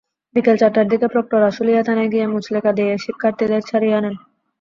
বিকেল চারটার দিকে প্রক্টর আশুলিয়া থানায় গিয়ে মুচলেকা দিয়ে শিক্ষার্থীদের ছাড়িয়ে আনেন।